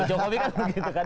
jokowi kan begitu kan